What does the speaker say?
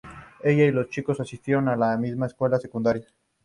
Ella y los chicos asistieron a la misma escuela secundaria.